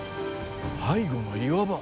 背後の岩場。